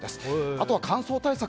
あとは乾燥対策